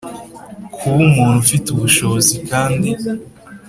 kuba umuntu ufite ubushobozi kandi